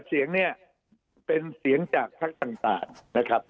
เสียงเนี่ยเป็นเสียงจากภักดิ์ต่างนะครับ